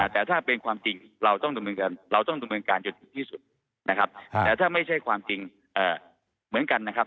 แต่ถ้าเป็นความจริงเราต้องดำเนินการจนถึงที่สุดนะครับแต่ถ้าไม่ใช่ความจริงเหมือนกันนะครับ